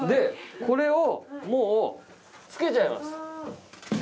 これをもう、つけちゃいます。